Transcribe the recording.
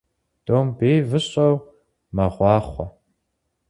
Домбей выщӀэу мэгъуахъуэ.